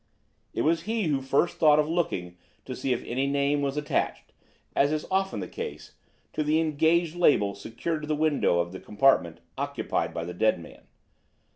It was he who first thought of looking to see if any name was attached, as is often the case, to the "Engaged" label secured to the window of the compartment occupied by the dead man.